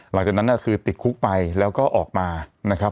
หลังจากนั้นคือติดคุกไปแล้วก็ออกมานะครับ